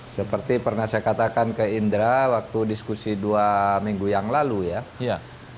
seperti pernah saya katakan ke indra waktu diskusi dua minggu yang lalu ya